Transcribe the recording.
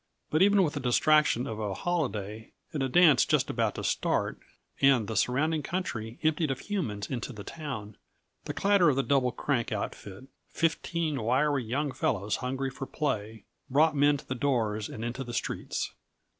But even with the distraction of a holiday and a dance just about to start and the surrounding country emptied of humans into the town, the clatter of the Double Crank outfit fifteen wiry young fellows hungry for play brought men to the doors and into the streets.